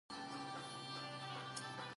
نایبالسلطنه غوښتل بل ناول ډالۍ کړي.